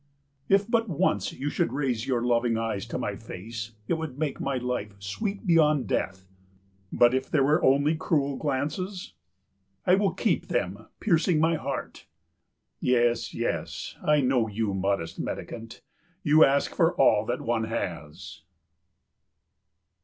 "If but once you should raise your loving eyes to my face it would make my life sweet beyond death." "But if there by only cruel glances?" "I will keep them piercing my heart." "Yes, yes, I know you, modest mendicant, you ask for all that one has."